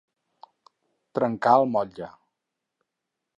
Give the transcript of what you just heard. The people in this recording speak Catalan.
Trencar el motlle.